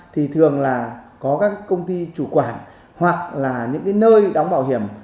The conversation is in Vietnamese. thì thường là có các công ty chủ quản hoặc là những nơi đóng bảo hiểm